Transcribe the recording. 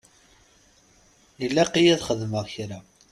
Ilaq-iyi ad xedmeɣ kra.